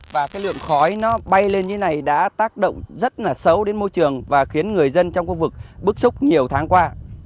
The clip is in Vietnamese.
và cái lượng khói nó bay lên như thế này đã tác động rất là xấu đến môi trường và khiến người dân trong khu vực bức xúc nhiều tháng qua